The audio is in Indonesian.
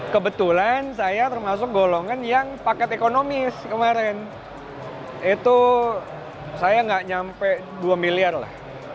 kebetulan saya termasuk golongan yang paket ekonomis kemarin itu saya nggak nyampe dua miliar lah